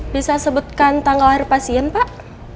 bisa sebutkan tanggal lahir pasien pak